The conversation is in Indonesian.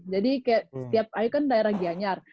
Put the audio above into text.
jadi kayak ayu kan daerah giyanyar